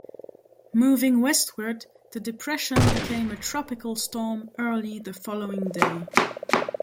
Moving westward, the depression became a tropical storm early the following day.